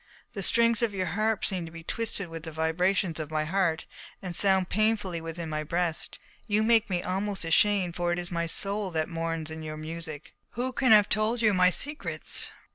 The strings of your harp seem to be twisted with the vibrations of my heart and sound painfully within my breast. You make me almost ashamed, for it is my soul that mourns in your music. Who can have told you my secrets?"